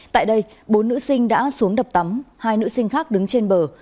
tại đây bốn nữ sinh đã xuống đập tắm hai nữ sinh khác đứng trên bờ